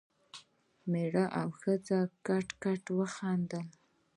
مېړه او ښځې کټ کټ وخندل.